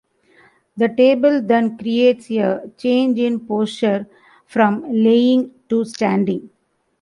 The table then creates a change in posture from lying to standing.